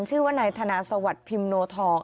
ชื่อว่านายธนาสวัสดิ์พิมโนทอง